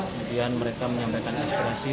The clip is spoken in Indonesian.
kemudian mereka menyampaikan aspirasi